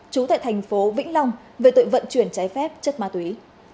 trú tại thành phố vĩnh long về tội vận chuyển trái phép chất ma túy